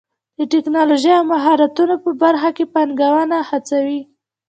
د ټکنالوژۍ او مهارتونو په برخه کې پانګونه هڅوي.